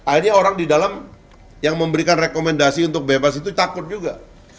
akhirnya orang di dalam yang memberikan rekomendasi untuk bebas itu takut juga